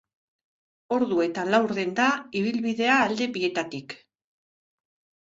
Ordu eta laurden da ibilbidea alde bietatik.